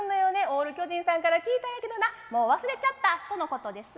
オール巨人さんから聞いたんやけどなもう忘れちゃった」とのことです。